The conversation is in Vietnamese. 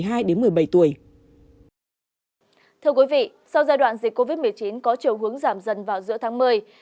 thưa quý vị sau giai đoạn dịch covid một mươi chín có chiều hướng giảm dần vào giữa tháng một mươi